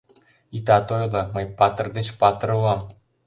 — Итат ойло, мый патыр деч патыр улам!